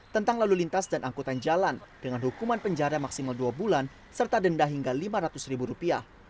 tentang lalu lintas dan angkutan jalan dengan hukuman penjara maksimal dua bulan serta denda hingga lima ratus ribu rupiah